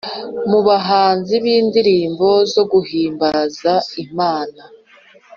mu bahanzi b’indirimbo zo guhimbaza imana